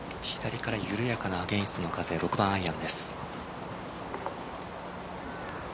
左から緩やかなアゲンストの風６番アイアンです。